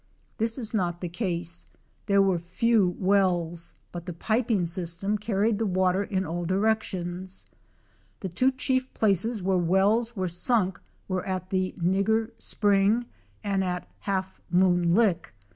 This is not the case; there were few wells, but the piping system carried the water in all directions The two chief places where wells were sunk were at the "Nigger Spring" and at the "Half Moon Lick."